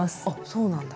そうなんだ。